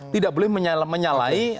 tidak boleh menyalahi